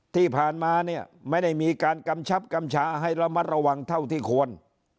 ที่ผ่านมาเนี่ยไม่ได้มีการกำชับกำชาให้ระมัดระวังเท่าที่ควร